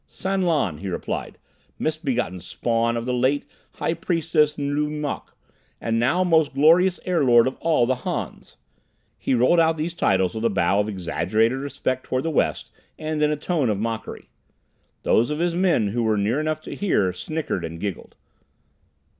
"San Lan," he replied, "misbegotten spawn of the late High Priestess Nlui Mok, and now Most Glorious Air Lord of All the Hans." He rolled out these titles with a bow of exaggerated respect toward the west, and in a tone of mockery. Those of his men who were near enough to hear, snickered and giggled.